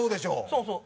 そうそう。